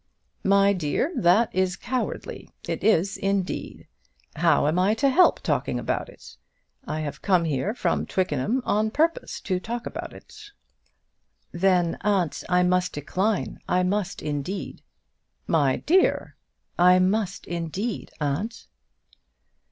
"My dear, that is cowardly; it is, indeed. How am I to help talking about it? I have come here, from Twickenham, on purpose to talk about it." "Then, aunt, I must decline; I must, indeed." "My dear!" "I must, indeed, aunt."